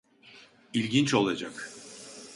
İlginç olacak.